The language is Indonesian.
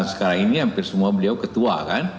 sekarang ini hampir semua beliau ketua kan